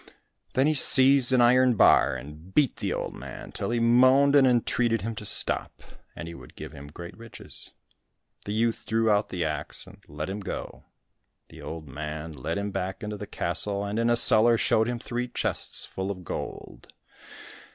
Then he seized an iron bar and beat the old man till he moaned and entreated him to stop, and he would give him great riches. The youth drew out the axe and let him go. The old man led him back into the castle, and in a cellar showed him three chests full of gold.